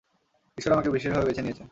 ঈশ্বর আমাকে বিশেষভাবে বেছে নিয়েছেন।